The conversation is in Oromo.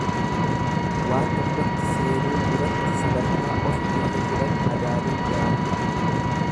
Waan tokkotti seenuun duratti sadarkaa ofi irra jiran madaaluun gaarii ta'a.